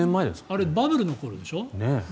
あれ、バブルの頃でしょ？